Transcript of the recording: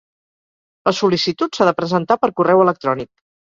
La sol·licitud s'ha de presentar per correu electrònic.